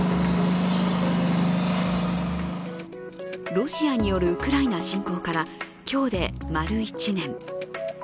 ロシアによるウクライナ侵攻から今日で丸１年。